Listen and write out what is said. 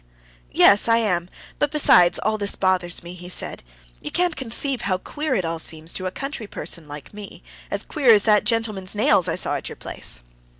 Yes, I am; but besides, all this bothers me," he said. "You can't conceive how queer it all seems to a country person like me, as queer as that gentleman's nails I saw at your place...."